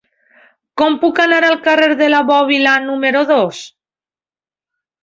Com puc anar al carrer de la Bòbila número dos?